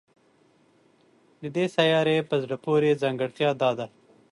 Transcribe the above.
د دې سیارې په زړه پورې ځانګړتیا دا ده